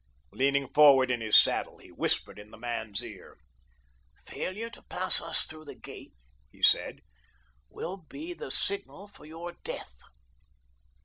Leaning forward in his saddle, he whispered in the man's ear. "Failure to pass us through the gates," he said, "will be the signal for your death."